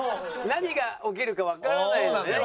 何が起きるかわからないのでね